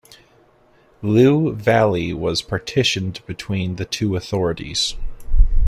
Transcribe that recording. Lliw Valley was partitioned between the two authorities.